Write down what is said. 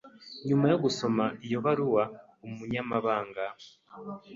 Nyuma yo gusoma iyo baruwa, Umunyamabanga